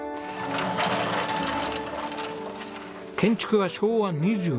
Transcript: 建築は昭和２２年。